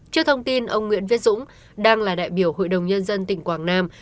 trước thông tin ông nguyễn viết dũng đang là đại biểu hội đồng nhân dân tỉnh quảng nam